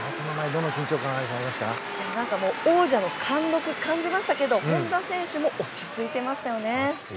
王者の貫禄を感じましたけど本多選手も落ち着いていましたよね。